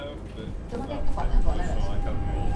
তোমাকে একটা কথা বলার আছে।